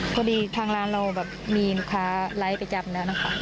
พอดีทางร้านเราแบบมีลูกค้าไลค์ประจำแล้วนะคะ